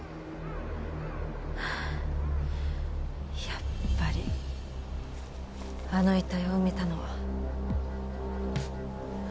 やっぱりあの遺体を埋めたのは。